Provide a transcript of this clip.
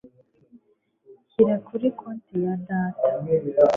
Shyira kuri konte ya data.